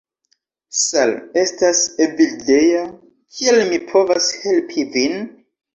"Sal', estas Evildea, kiel mi povas helpi vin?"